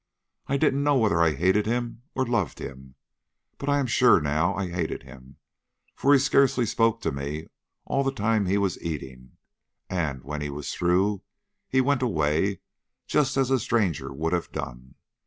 I didn't know whether I hated him or loved him. But I am sure now I hated him, for he scarcely spoke to me all the time he was eating, and when he was through, he went away just as a stranger would have done.